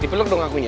dipeluk dong akunya